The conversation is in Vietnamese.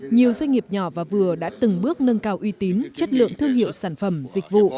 nhiều doanh nghiệp nhỏ và vừa đã từng bước nâng cao uy tín chất lượng thương hiệu sản phẩm dịch vụ